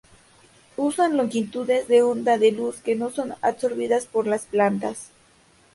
Usan longitudes de onda de luz que no son absorbidas por las plantas.